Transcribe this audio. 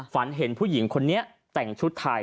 ฝันเห็นผู้หญิงคนนี้แต่งชุดไทย